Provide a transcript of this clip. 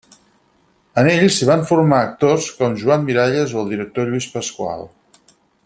En ell s'hi van formar actor com Joan Miralles o el director Lluís Pasqual.